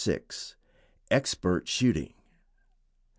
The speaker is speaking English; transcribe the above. EXPERT SHOOTING.